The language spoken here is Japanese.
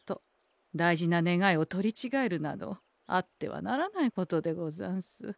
大事な願いを取りちがえるなどあってはならないことでござんす。